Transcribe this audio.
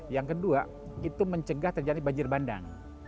yang kedua itu mencegah terjadi banjir bandang